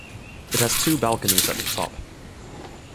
It has two balconies at the top.